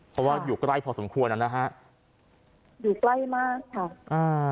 เพราะว่าอยู่ใกล้พอสมควรอ่ะนะฮะอยู่ใกล้มากค่ะอ่า